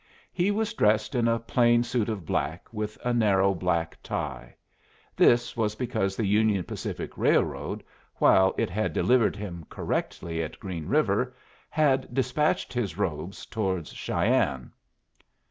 He was dressed in a plain suit of black with a narrow black tie. This was because the Union Pacific Railroad, while it had delivered him correctly at Green River, had despatched his robes towards Cheyenne.